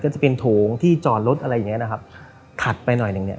ก็จะเป็นโถงที่จอดรถอะไรอย่างเงี้นะครับถัดไปหน่อยหนึ่งเนี้ย